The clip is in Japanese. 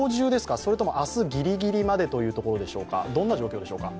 それとも明日ギリギリまでというところでしょうか、どんな状況でしょうか？